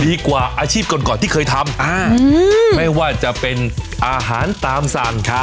ดีกว่าอาชีพก่อนก่อนที่เคยทำอืมไม่ว่าจะเป็นอาหารตามสรรครับ